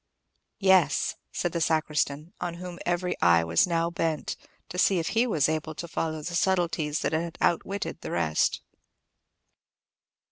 "Yes!" said the sacristan, on whom every eye was now bent, to see if he was able to follow subtleties that had outwitted the rest.